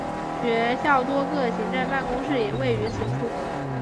学校多个行政办公室也位于此处。